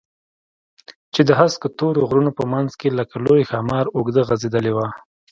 چې د هسکو تورو غرونو په منځ کښې لکه لوى ښامار اوږده غځېدلې وه.